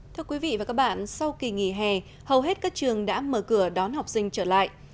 thưa quý vị và các bạn sau kỳ nghỉ hè hầu hết các trường đã mở cửa đón học sinh trở lại